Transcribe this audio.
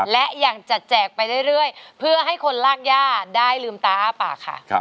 และยังจะแจกไปเรื่อยเพื่อให้คนลากย่าได้ลืมตาอ้าปากค่ะ